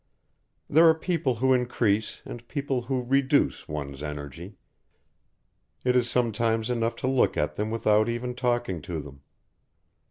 There are people who increase and people who reduce one's energy, it is sometimes enough to look at them without even talking to them.